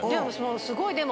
すごいでも。